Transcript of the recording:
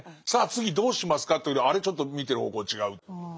次どうしますかというとあれちょっと見てる方向違う。